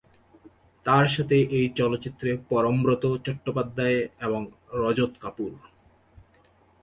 তার সাথে এই চলচ্চিত্রে পরমব্রত চট্টোপাধ্যায় এবং রজত কাপুর।